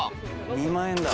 ２万円だ。